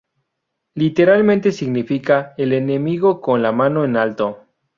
Literalmente significa "El enemigo con la mano en alto".